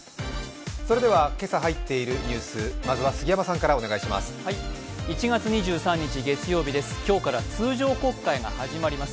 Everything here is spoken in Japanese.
それでは今朝入っているニュース、まずは杉山さんからお願いします。